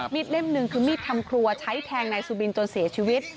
เล่มหนึ่งคือมีดทำครัวใช้แทงนายสุบินจนเสียชีวิต